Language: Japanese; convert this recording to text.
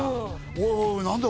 おいおい何だよ